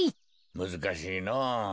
むずかしいのぉ。